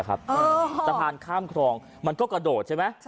สะพานข้ามครองมันก็กระโดดใช่ไหม